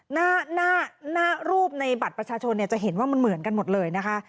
หน้าหน้ารูปในบัตรประชาชนเนี่ยจะเห็นว่ามันเหมือนกันหมดเลยนะคะ